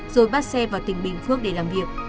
rồi bắt xe vào tỉnh bình phước để làm việc